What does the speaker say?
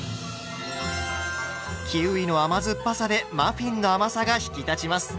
キウイの甘酸っぱさでマフィンの甘さが引き立ちます。